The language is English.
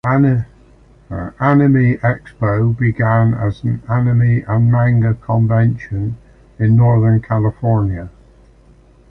Anime Expo began as an anime and manga convention in Northern California.